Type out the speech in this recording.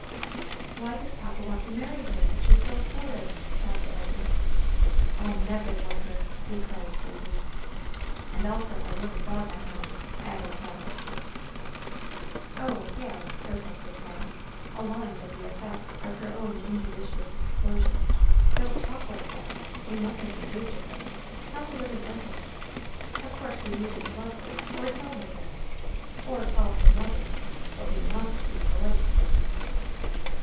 "Why does Papa want to marry her, if she's so horrid?" sobbed Agnes. "I'll never love her!" declared Susy. "And I'll set my wooden dog on her!" added Hal. "Oh, Hal," protested Patty, alarmed at the effect of her own injudicious explosion, "don't talk like that! We mustn't be rude to her. Papa wouldn't like it. Of course, we needn't love her, or tell her things, or call her 'mother,' but we must be polite to her."